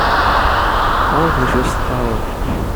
Ɣur-k d acu i as-teqqareḍ.